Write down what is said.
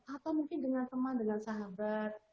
atau mungkin dengan teman dengan sahabat